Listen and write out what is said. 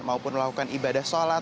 maupun melakukan ibadah